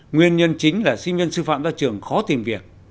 nguyên nhân chính là sinh viên sư phạm ra trường khó tìm việc